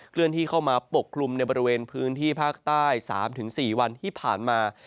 เลื่อนที่เข้ามาปกกลุ่มในบริเวณพื้นที่ภาคใต้๓๔วันที่ผ่านมา